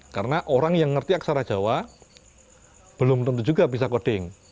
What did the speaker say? karena orang yang ngerti aksara jawa belum tentu juga bisa koding